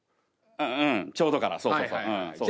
ううんちょうどからそうそうそう。